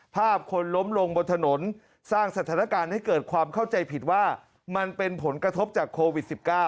คนล้มลงบนถนนสร้างสถานการณ์ให้เกิดความเข้าใจผิดว่ามันเป็นผลกระทบจากโควิด๑๙